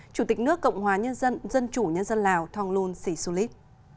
chủ tịch nước cộng hòa nhân dân dân chủ nhân dân lào thong lun si sulit